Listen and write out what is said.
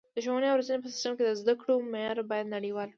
د ښوونې او روزنې په سیستم کې د زده کړو معیار باید نړیوال وي.